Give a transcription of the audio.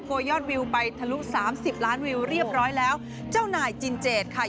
ยอดวิวไปทะลุสามสิบล้านวิวเรียบร้อยแล้วเจ้านายจินเจดค่ะ